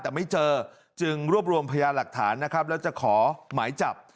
แต่ไม่เจอจึงรวบรวมพยาหลักฐานนะครับแล้วจะขอหมายจับ